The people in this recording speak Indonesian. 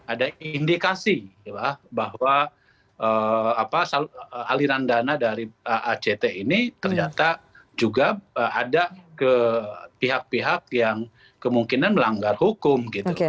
ada indikasi bahwa aliran dana dari act ini ternyata juga ada ke pihak pihak yang kemungkinan melanggar hukum